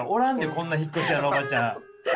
こんな引っ越し屋のおばちゃん。